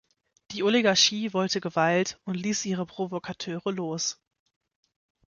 Die Oligarchie wollte Gewalt und ließ ihre Provokateure los.